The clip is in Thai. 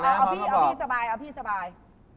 เอาพี่สบาย